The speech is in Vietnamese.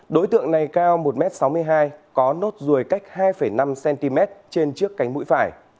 đối tượng này cao một m sáu mươi hai có nốt ruồi cách hai năm cm trên trước cánh mũi phải